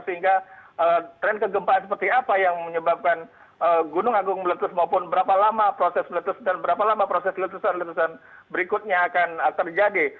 sehingga tren kegempaan seperti apa yang menyebabkan gunung agung meletus maupun berapa lama proses letusan berikutnya akan terjadi